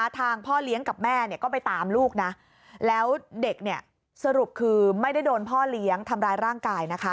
พ่อเลี้ยงกับแม่ก็ไปตามลูกนะแล้วเด็กสรุปคือไม่ได้โดนพ่อเลี้ยงทำร้ายร่างกาย